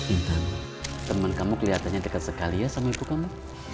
intan teman kamu kelihatannya dekat sekali ya sama ibu kamu